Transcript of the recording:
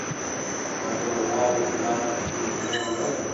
ب : عبدالوهاب خلاف رحمه الله وایی